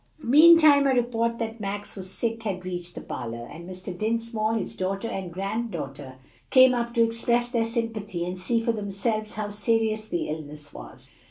Meantime a report that Max was sick had reached the parlor, and Mr. Dinsmore, his daughter, and granddaughter came up to express their sympathy and see for themselves how serious the illness was.